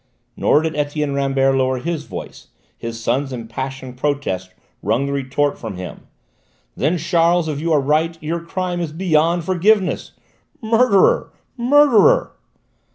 Nor did Etienne Rambert lower his voice: his son's impassioned protest wrung the retort from him: "Then, Charles, if you are right, your crime is beyond forgiveness! Murderer! Murderer!"